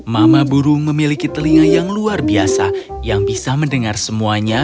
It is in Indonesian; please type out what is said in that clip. mama burung memiliki telinga yang luar biasa yang bisa mendengar semuanya